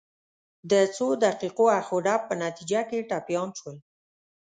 د څو دقیقو اخ و ډب په نتیجه کې ټپیان شول.